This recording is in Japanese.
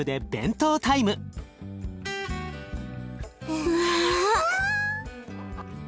うわ！